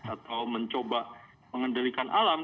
atau mencoba mengendalikan alam